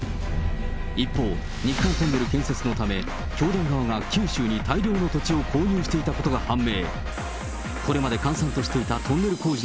一方、日韓トンネル建設のため、教団側が九州に大量の土地を購入していたことが判明。